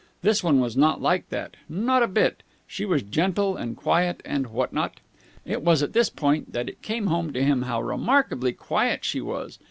This one was not like that. Not a bit. She was gentle and quiet and what not. It was at this point that it came home to him how remarkably quiet she was.